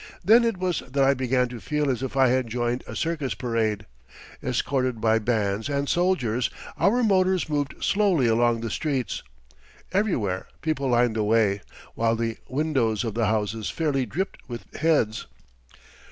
Then it was that I began to feel as if I had joined a circus parade. Escorted by bands and soldiers, our motors moved slowly along the streets. Everywhere people lined the way, while the windows of the houses fairly dripped with heads.